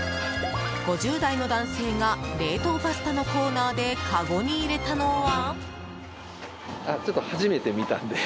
５０代の男性が冷凍パスタのコーナーでかごに入れたのは。